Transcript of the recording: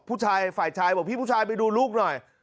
ผู้ชายฝ่ายชายบอกพี่ผู้ชายไปดูลูกหน่อย